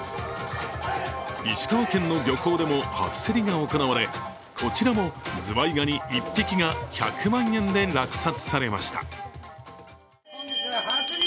石川県の漁港でも初競りが行われ、こちらもズワイガニ１匹が１００万円で落札されました。